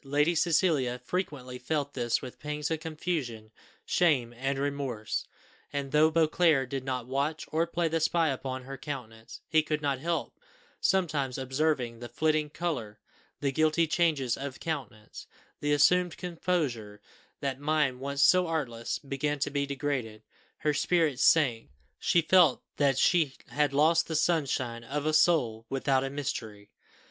Lady Cecilia frequently felt this with pangs of confusion, shame, and remorse; and, though Beauclerc did not watch, or play the spy upon her countenance, he could not help sometimes observing the flitting colour the guilty changes of countenance the assumed composure: that mind, once so artless, began to be degraded her spirits sank; she felt that she "had lost the sunshine of a soul without a mystery!"